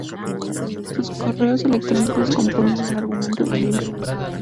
Sus correos electrónicos componen el argumento del libro.